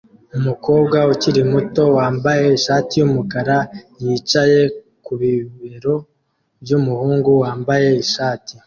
Umukobwa ukiri muto wambaye ishati yumukara yicaye ku bibero byumuhungu wambaye ishati